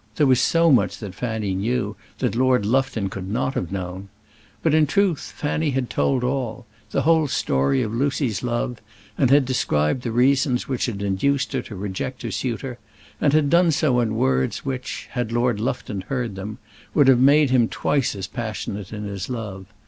There was so much that Fanny knew that Lord Lufton could not have known. But, in truth, Fanny had told all the whole story of Lucy's love, and had described the reasons which had induced her to reject her suitor; and had done so in words which, had Lord Lufton heard them, would have made him twice as passionate in his love.